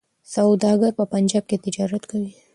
سوداګر په پنجاب کي تجارت کوي.